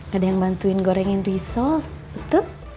gak ada yang bantuin gorengin risos betul